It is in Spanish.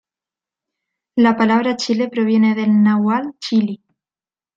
La palabra chile proviene del náhuatl "chilli".